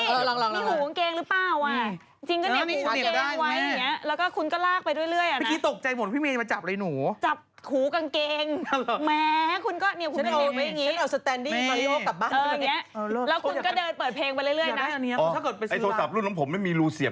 กางเกงหรือเปล่าอ่ะจริงก็เนี่ยกางเกงไว้อย่างเงี้ย